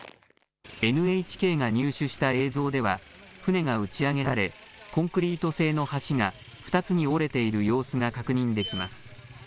ＮＨＫが入手した映像では、船が打ち上げられ、コンクリート製の橋が２つに折れている様子が確認できます。